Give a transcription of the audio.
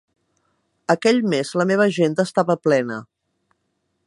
Aquell mes la meva agenda estava plena.